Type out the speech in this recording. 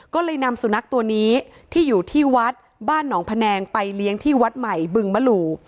ก็เลยนำสุนัขตัวนี้ที่อยู่ที่วัดบ้านหนองพะแนงไปเลี้ยงที่วัดใหม่บึงมะหลู่